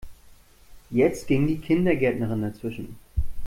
Jetzt ging die Kindergärtnerin dazwischen.